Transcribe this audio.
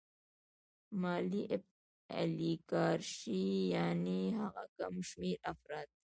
مالي الیګارشي یانې هغه کم شمېر افراد